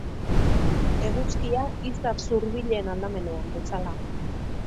Eguzkia izar zurbilen aldamenean bezala.